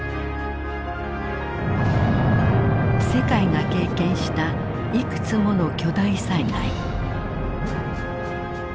世界が経験したいくつもの巨大災害。